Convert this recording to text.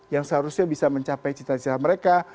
yang seharusnya bisa mencapai cita cita mereka